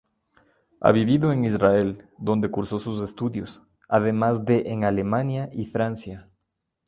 Ha vivido en Israel, donde cursó sus estudios, además de en Alemania y Francia.